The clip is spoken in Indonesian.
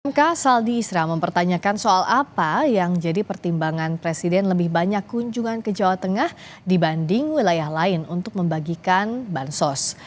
mk saldi isra mempertanyakan soal apa yang jadi pertimbangan presiden lebih banyak kunjungan ke jawa tengah dibanding wilayah lain untuk membagikan bansos